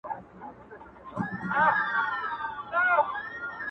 اوس په اسانه باندي هيچا ته لاس نه ورکوم.